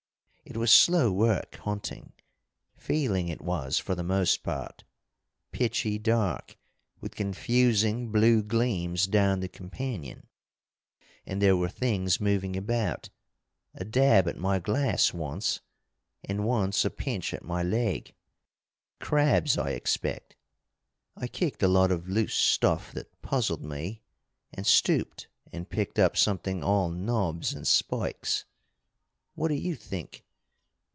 It was slow work hunting, feeling it was for the most part, pitchy dark, with confusing blue gleams down the companion. And there were things moving about, a dab at my glass once, and once a pinch at my leg. Crabs, I expect. I kicked a lot of loose stuff that puzzled me, and stooped and picked up something all knobs and spikes. What do you think?